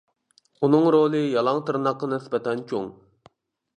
ئۇنىڭ رولى يالاڭ تىرناققا نىسبەتەن چوڭ.